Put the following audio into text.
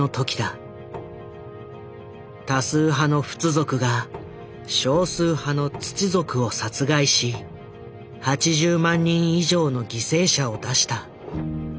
多数派のフツ族が少数派のツチ族を殺害し８０万人以上の犠牲者を出した。